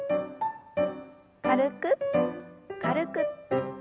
軽く軽く。